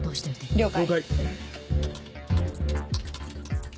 了解。